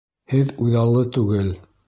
Һеҙ үҙ аллы түгел